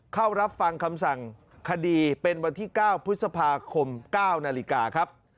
เข้ารับฟังคำสั่งคดีเป็นวันที่๙พฤษภาคม๙นาฬิกาครับ